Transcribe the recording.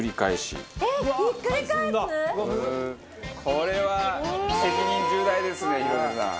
これは責任重大ですね広末さん。